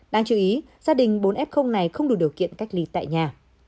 đáng chú ý gia đình bốn f này không đủ điều kiện cách ly tại nhà